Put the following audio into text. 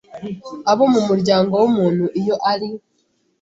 abo mu muryango w umuntu iyo ari